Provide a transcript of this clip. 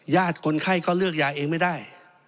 คนไข้ก็เลือกยาเองไม่ได้